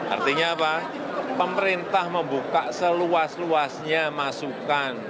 artinya apa pemerintah membuka seluas luasnya masukan